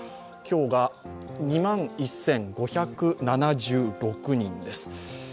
今日が２万１５７６人です。